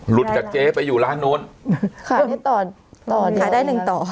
หลุดกับเจ๊ไปอยู่ร้านโน้นขายได้ต่อต่อขายได้หนึ่งต่อ